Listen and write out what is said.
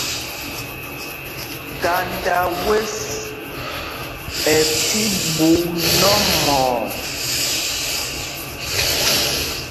Kanda wěs ɛ tí ɓú nɔ́mɔɔ.